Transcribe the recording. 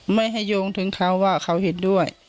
ไม่ให้โยงถึงเขาว่าเขาเห็นด้วย